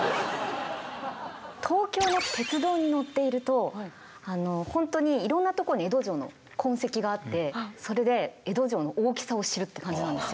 東京の鉄道に乗っていると本当にいろんなとこに江戸城の痕跡があってそれで江戸城の大きさを知るって感じなんですよ。